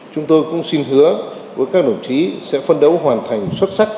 chúng tôi cũng xin hứa với các đồng chí sẽ phân đấu hoàn thành xuất sắc